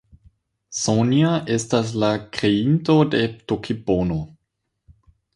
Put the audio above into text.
Sonja estas la kreinto de Tokipono.